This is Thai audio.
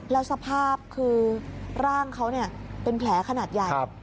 แล้วสภาพคือร่างเขาเป็นแผลขนาดใหญ่